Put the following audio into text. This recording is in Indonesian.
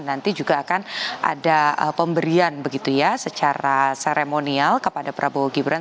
nanti juga akan ada pemberian begitu ya secara seremonial kepada prabowo gibran